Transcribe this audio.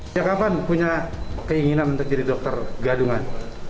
sejak kapan punya keinginan untuk jadi dokter gadungan